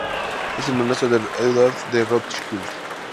Es el hermanastro de Édouard de Rothschild.